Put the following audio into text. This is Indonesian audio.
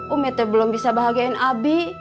umi belum bisa bahagiain abi